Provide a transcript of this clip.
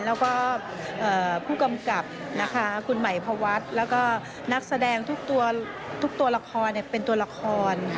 แล้วก็ผู้กำกับนะคะคุณใหม่พวัฒน์แล้วก็นักแสดงทุกตัวละครเป็นตัวละคร